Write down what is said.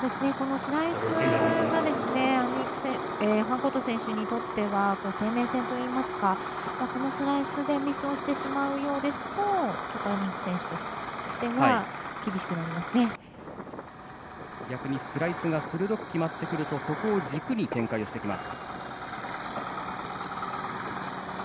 スライスがファンコート選手にとっては生命線といいますかこのスライスでミスをするようですとちょっとアニーク選手としては逆にスライスが鋭く決まってくるとそこを軸に展開をしてきます。